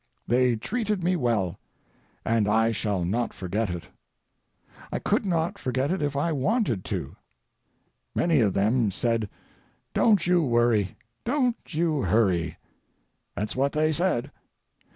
They treated me well, and I shall not forget it; I could not forget it if I wanted to. Many of them said, "Don't you worry, don't you hurry"; that's what they said.